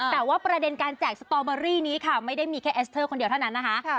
แต่ว่าประเด็นการแจกสตอเบอรี่นี้ค่ะไม่ได้มีแค่แอสเตอร์คนเดียวเท่านั้นนะคะ